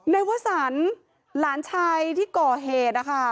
นายวะสันหลานชายที่ก่อเหตุค่ะ